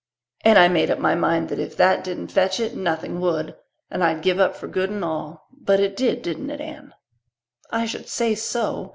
And I made up my mind that if that didn't fetch it nothing would and I'd give up for good and all. But it did, didn't it, Anne?" "I should say so.